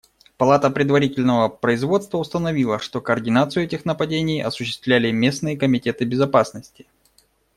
Палата предварительного производства установила, что координацию этих нападений осуществляли местные комитеты безопасности.